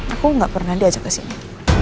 aku gak pernah diajak kesini